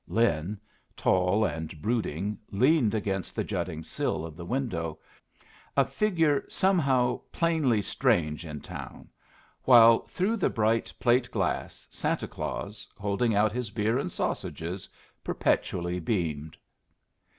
Lin, tall and brooding leaned against the jutting sill of the window, a figure somehow plainly strange in town, while through the bright plate glass Santa Claus, holding out his beer and sausages, perpetually beamed.